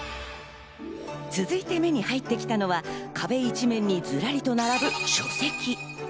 続いて目に入ってきたのは壁一面にずらりと並ぶ書籍。